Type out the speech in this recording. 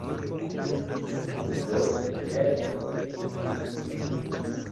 Do, ni eku!